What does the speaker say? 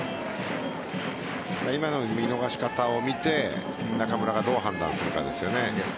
今の見逃し方を見て中村がどう判断するかですよね。